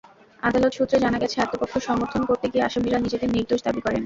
আদালত সূত্রে জানা গেছে, আত্মপক্ষ সমর্থন করতে গিয়ে আসামিরা নিজেদের নির্দোষ দাবি করেন।